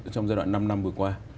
trong giai đoạn năm năm vừa qua